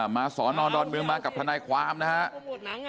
มาสอนอนดรมือมากับธนายความนะฮะ